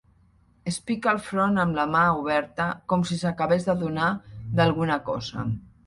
Es pica el front amb la mà oberta, com si s'acabés d'adonar d'alguna cosa.